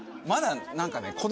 まだ何かね